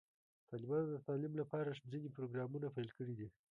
طالبانو د تعلیم لپاره ځینې پروګرامونه پیل کړي دي.